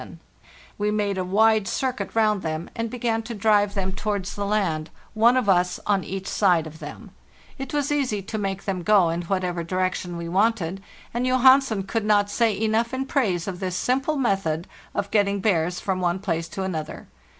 404 FARTHEST NORTH We made a wide circuit round them, and began to drive them towards the land, one of us on each side of them, It was easy to make them go in whatever direction we wanted, and Johansen could not say enough in praise of this simple method of getting bears from one place to another.